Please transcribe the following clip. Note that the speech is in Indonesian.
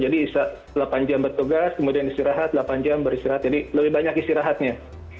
jadi delapan jam bertugas kemudian istirahat delapan jam beristirahat jadi lebih banyak istirahatnya